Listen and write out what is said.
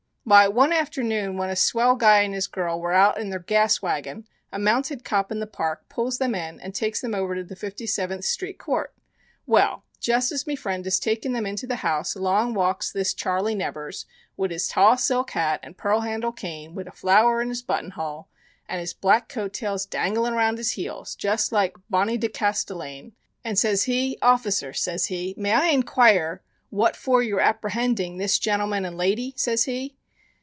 Why, one afternoon when a swell guy and his girl were out in their gas wagon a mounted cop in the park pulls them in and takes them over to the 57th Street Court. Well, just as me friend is taking them into the house along walks this Charley Nevers wid his tall silk hat and pearl handle cane, wid a flower in his buttonhole, and his black coat tails dangling around his heels, just like Boni de Castellane, and says he, 'Officer,' says he, 'may I inquire what for you're apprehending this gentleman and lady?' says he.